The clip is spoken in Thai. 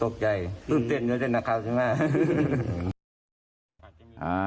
ตกใจตื่นเตียนแล้วเตียนอาคารซึ่งมาก